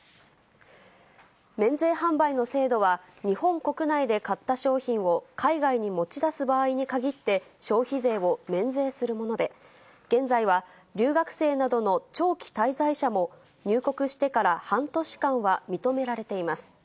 免税販売の制度は、日本国内で買った商品を海外に持ち出す場合に限って消費税を免税するもので、現在は、留学生などの長期滞在者も入国してから半年間は認められています。